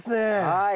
はい！